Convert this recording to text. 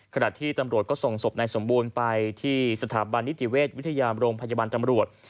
ขณะที่ตำรวจก็ส่งศพนายสมบูรณ์ไปที่สถาบันนิติเวชวิทยามโรงพยาบาลตำรวจ